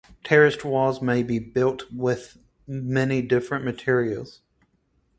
Terraced walls may be built with many different materials.